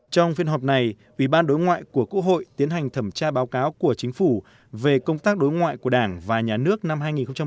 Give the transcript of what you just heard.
trong phiên họp này ủy ban đối ngoại của quốc hội tiến hành thẩm tra báo cáo của chính phủ về công tác đối ngoại của đảng và nhà nước năm hai nghìn một mươi chín